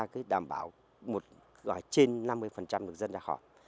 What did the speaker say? thì đảm bảo trên năm mươi được dân đã họp